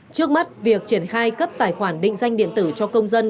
trước mắt việc triển khai cấp tài khoản định danh điện tử cho công dân